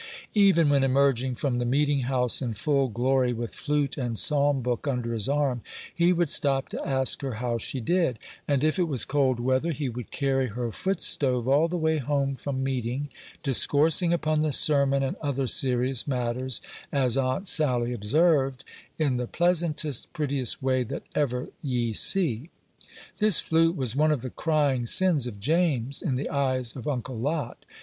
Even when emerging from the meeting house in full glory, with flute and psalm book under his arm, he would stop to ask her how she did; and if it was cold weather, he would carry her foot stove all the way home from meeting, discoursing upon the sermon, and other serious matters, as Aunt Sally observed, "in the pleasantest, prettiest way that ever ye see." This flute was one of the crying sins of James in the eyes of Uncle Lot.